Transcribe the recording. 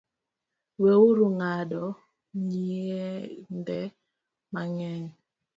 We uru ng’ado nyiende mang’eny